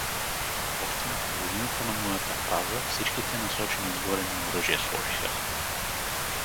Още на половината на моята фраза всичките насочени отгоре ми оръжия сложиха.